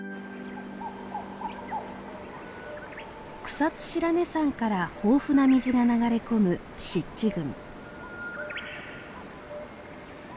草津白根山から豊富な水が流れ込む湿地群。